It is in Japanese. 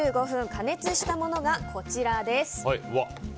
１５分加熱したものがこちらです。